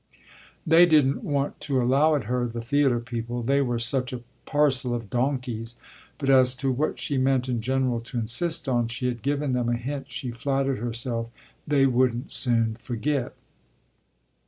They didn't want to allow it her, the theatre people, they were such a parcel of donkeys; but as to what she meant in general to insist on she had given them a hint she flattered herself they wouldn't soon forget.